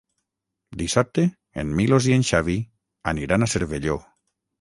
Dissabte en Milos i en Xavi aniran a Cervelló.